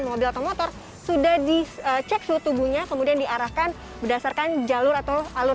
mobil atau motor sudah dicek suhu tubuhnya kemudian diarahkan berdasarkan jalur atau alur